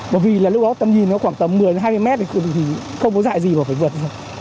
bởi vì là lúc đó tầm nhìn nó khoảng tầm một mươi hai mươi mét thì không có dại gì mà phải vượt rồi